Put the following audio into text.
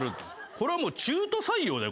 これもう中途採用だよ。